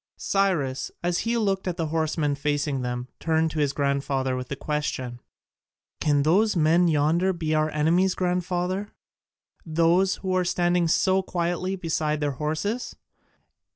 Cyrus, as he looked at the horsemen facing them, turned to his grandfather with the question, "Can those men yonder be our enemies, grandfather, those who are standing so quietly beside their horses?"